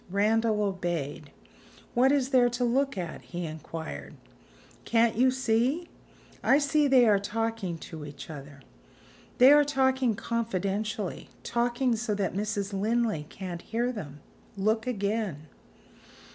Randal obeyed. "What is there to look at?" he inquired. "Can't you see?" "I see they are talking to each other." "They are talking confidentially; talking so that Mrs. Linley can't hear them. Look again."